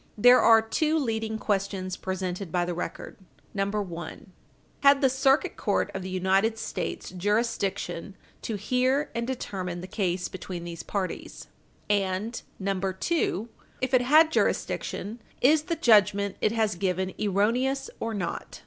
There are two leading questions presented by the record: 1. Had the Circuit Court of the United States jurisdiction to hear and determine the case between these parties? And 2. If it had jurisdiction, is the judgment it has given erroneous or not?